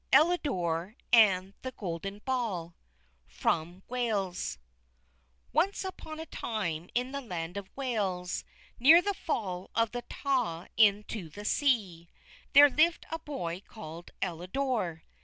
ELIDORE AND THE GOLDEN BALL From Wales Once upon a time, in the land of Wales, near the fall of the Tawe into the sea, there lived a boy called Elidore.